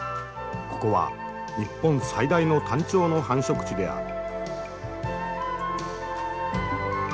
ここは日本最大のタンチョウの繁殖地である。